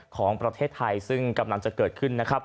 ของประเทศไทยซึ่งกำลังจะเกิดขึ้นนะครับ